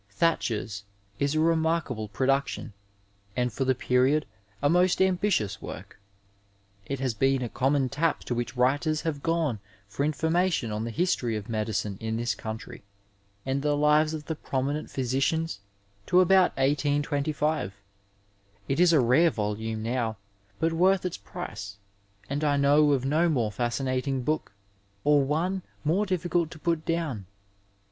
Thacher's is a remarkable production and for the period a most ambitious work. It has been a common tap to which writers have gone for information on the history of medicine in this country, and the lives of the prominent physicians to about 1826. It is a rare volume now, but worth its price, and I know of no more fascinating book, or one more difficult to put down.